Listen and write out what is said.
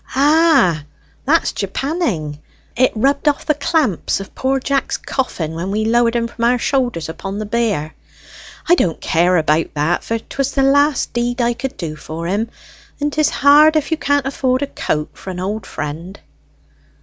"Ah, that's japanning; it rubbed off the clamps of poor Jack's coffin when we lowered him from our shoulders upon the bier! I don't care about that, for 'twas the last deed I could do for him; and 'tis hard if you can't afford a coat for an old friend."